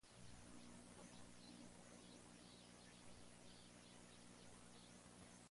La carretera inicia en el Sur desde la N. Virginia St.